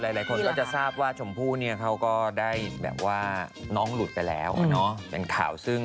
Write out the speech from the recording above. หลายคนก็จะทราบว่าชมพู่เนี่ยเขาก็ได้แบบว่าน้องหลุดไปแล้ว